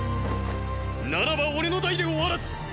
ならば俺の代で終わらす！